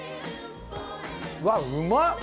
うわっうま！